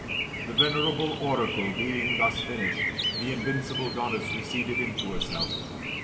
The venierable omcle being thus finished, the invincible Goddess receded into herself.